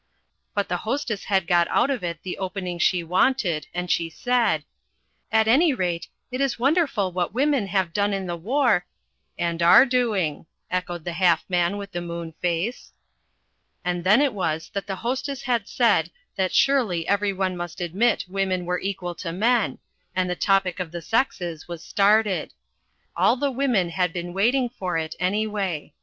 But the Hostess had got out of it the opening she wanted, and she said: "At any rate, it is wonderful what women have done in the war " "And are doing," echoed the Half Man with the Moon Face. And then it was that the Hostess had said that surely every one must admit women are equal to men and the topic of the sexes was started. All the women had been waiting for it, anyway.